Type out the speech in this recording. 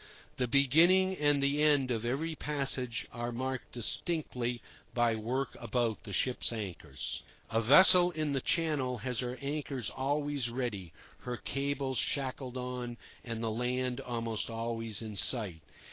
The beginning and the end of every passage are marked distinctly by work about the ship's anchors. A vessel in the Channel has her anchors always ready, her cables shackled on, and the land almost always in sight.